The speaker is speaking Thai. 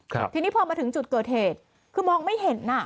ครับทีนี้พอมาถึงจุดเกิดเหตุคือมองไม่เห็นอ่ะ